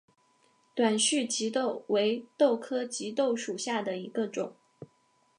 短序棘豆为豆科棘豆属下的一个种。